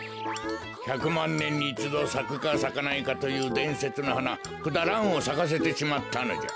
ひゃくまんねんにいちどさくかさかないかというでんせつのはなクダランをさかせてしまったのじゃ。